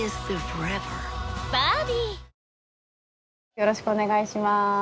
よろしくお願いします。